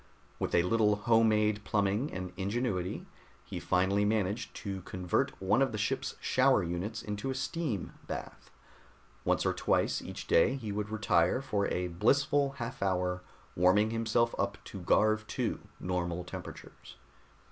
With a little home made plumbing and ingenuity, he finally managed to convert one of the ship's shower units into a steam bath. Once or twice each day he would retire for a blissful half hour warming himself up to Garv II normal temperatures.